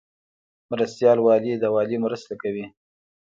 مرستیال والی د والی مرسته کوي